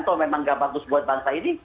kalau memang nggak bagus buat bangsa ini